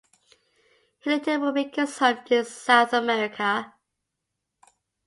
He later would make his home in South America.